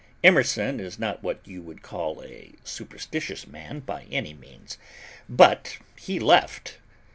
Emerson is not what you would call a superstitious man, by any means but, he left!